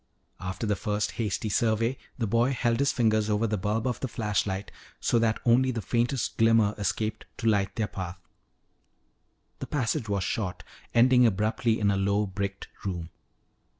After the first hasty survey, the boy held his fingers over the bulb of the flashlight so that only the faintest glimmer escaped to light their path. The passage was short, ending abruptly in a low bricked room.